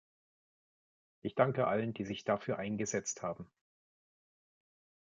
Ich danke allen, die sich dafür eingesetzt haben.